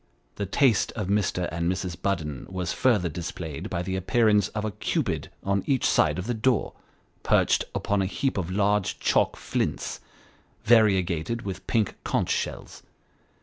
The taste of Mr. and Mrs. Budden was further displayed by the appearance of a Cupid on each side of the door, perched upon a heap of large chalk flints, variegated with pink conch shells.